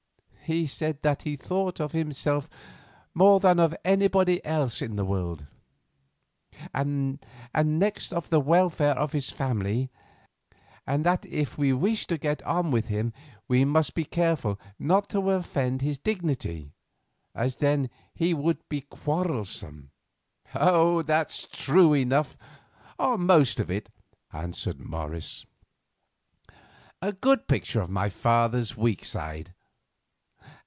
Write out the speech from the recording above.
He said that he thought of himself more than of anybody else in the world, and next of the welfare of his family, and that if we wished to get on with him we must be careful not to offend his dignity, as then he would be quarrelsome." "That's true enough, or most of it," answered Morris, "a good picture of my father's weak side.